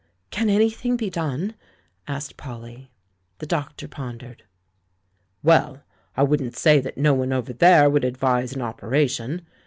"Can anything be done?" asked Polly. The doctor pondered. "Well, I wouldn't say that no one over there would advise an operation.